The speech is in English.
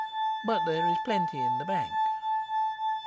But there is plenty in the bank.